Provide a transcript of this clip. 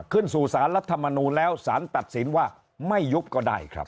ขึ้นสู่สารรัฐมนูลแล้วสารตัดสินว่าไม่ยุบก็ได้ครับ